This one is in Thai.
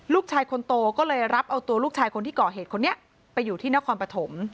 ลูกชายคนโตก็เลยรับเอาตัวลูกชายคนที่ก่อเหตุคนนี้ไปอยู่ที่นครปฐม